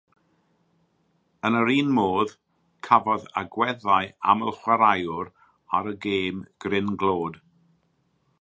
Yn yr un modd, cafodd agweddau aml-chwaraewr ar y gêm gryn glod.